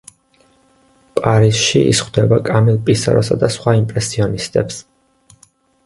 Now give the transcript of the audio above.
პარიზში ის ხვდება კამილ პისაროსა და სხვა იმპრესიონისტებს.